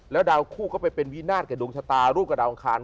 ดาวคู่ก็ไปเป็นวินาศกับดวงชะตารูปกับดาวอังคาร